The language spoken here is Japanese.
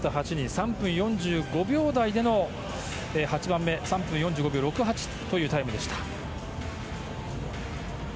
３分４５秒台での８番目３分４５秒６８というタイムでした。